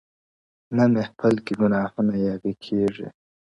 نه محفل كي ګناهونه ياغي كېږي-